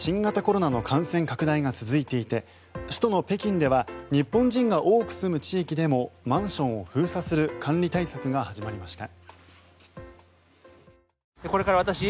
中国では新型コロナの感染拡大が続いていて首都の北京では日本人が多く住む地域でもマンションを封鎖する管理対策が始まりました。